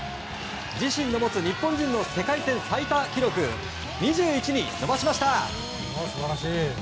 自身の持つ日本人の世界戦最多記録を２１に伸ばしました。